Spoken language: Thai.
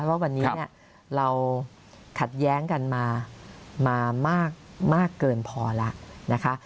ว่าวันนี้เราขัดแย้งกันมามากเกินพอแล้วนะคะ